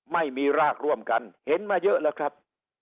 ไม่มีรากร่วมกันเห็นมาเยอะแล้วครับ